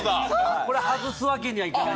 これ外すわけにはいかない。